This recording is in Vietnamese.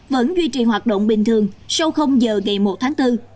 vẫn duy trì hoạt động bình thường sau giờ ngày một tháng bốn